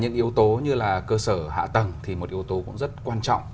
những yếu tố như là cơ sở hạ tầng thì một yếu tố cũng rất quan trọng